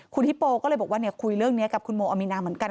คุณฮิปโปก็เลยบอกว่าคุยเรื่องนี้กับคุณโมอามีนาเหมือนกัน